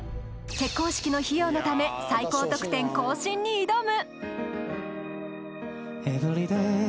結婚式の費用のため最高得点更新に挑む！